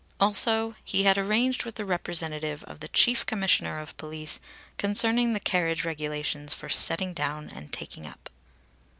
Also he had arranged with the representative of the Chief Commissioner of Police concerning the carriage regulations for "setting down and taking up."